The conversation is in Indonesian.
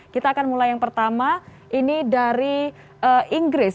kita akan mulai yang pertama ini dari inggris